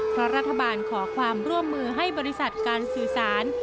เพราะรัฐบาลขอความร่วมมือให้บริษัทการสื่อสาร